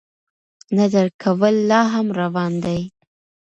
نه درک کول لا هم روان دي.